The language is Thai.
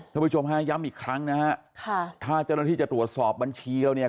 ผู้ชมฮะย้ำอีกครั้งนะฮะค่ะถ้าเจ้าหน้าที่จะตรวจสอบบัญชีเราเนี่ย